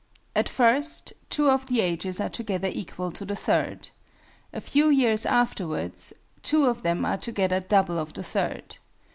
_ "At first, two of the ages are together equal to the third. A few years afterwards, two of them are together double of the third.